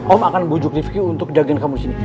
om akan bujuk riefky untuk jagain kamu disini